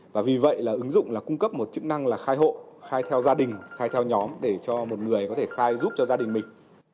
và vì vậy là ứng dụng là cung cấp một chức năng là khai hộ khai theo gia đình khai theo nhóm để cho một người có thể khai giúp cho gia đình mình